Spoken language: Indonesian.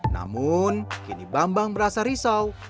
namun kini bambang merasa risau